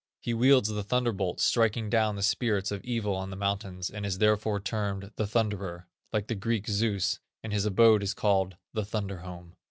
He wields the thunder bolts, striking down the spirits of evil on the mountains, and is therefore termed, "The Thunderer," like the Greek Zeus, and his abode is called, "The Thunder Home."